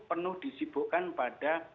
penuh disibukkan pada